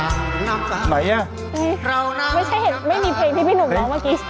ไหนอ่ะไม่ใช่เห็นไม่มีเพลงที่พี่หนุ่มร้องเมื่อกี้